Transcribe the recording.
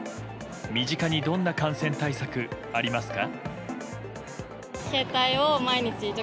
身近にどんな感染対策ありますか？